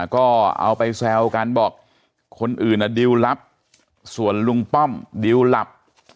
ก็เอาไปแซวกันบอกคนอื่นอ่ะดิวรับส่วนลุงป้อมดิวหลับ